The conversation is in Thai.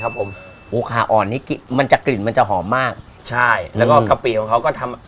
ครับผมหมูขาอ่อนนี่มันจะกลิ่นมันจะหอมมากใช่แล้วก็กะปิของเขาก็ทำ